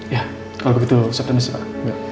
iya kalau begitu saya permisi pak